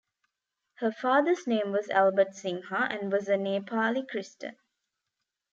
Her father's name was Albert Sinha and was a Nepali Christan.